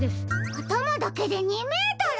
あたまだけで２メートル！？